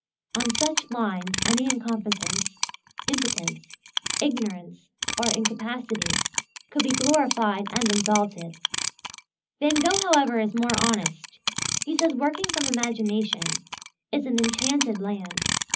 On such lines any incompetence, impotence, ignorance, or incapacity, could be glorified and exalted. Van Gogh, however, is more honest. He says working from imagination is an "enchanted land" (page 112).